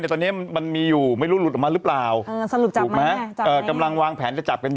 ล่ะเมื่อครับวิทยุยรับว่ายไปรึยังไงล่ะ